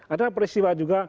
ada peristiwa juga